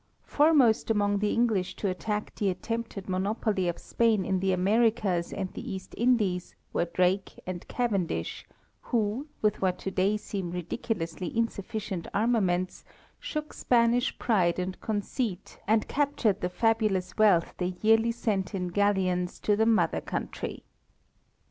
Foremost among the English to attack the attempted monopoly of Spain in the Americas and the East Indies were Drake and Cavendish, who, with what today seem ridiculously insufficient armaments, shook Spanish pride and conceit, and captured the fabulous wealth they yearly sent in galleons to the mother country.